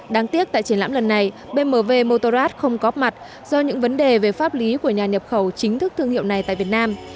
đáng tiếc tại triển lãm lần này bmv motorrat không có mặt do những vấn đề về pháp lý của nhà nhập khẩu chính thức thương hiệu này tại việt nam